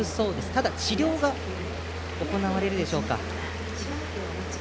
ただ、治療が行われるでしょうか。